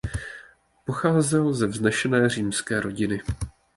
Pocházel ze vznešené římské rodiny.